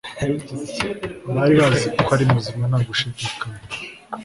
bari bazi ko ari muzima nta gushidikanya